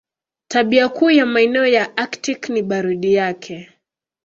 Tabia kuu ya maeneo ya Aktiki ni baridi yake.